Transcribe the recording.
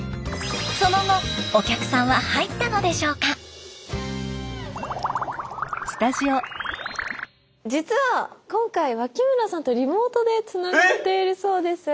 その後実は今回脇村さんとリモートでつながっているそうです。